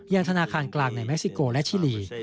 ธนาคารกลางในเม็กซิโกและชิลี